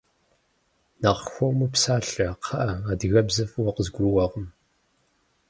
Нэхъ хуэму псалъэ, кхъыӏэ, адыгэбзэр фӏыуэ къызгурыӏуэкъым.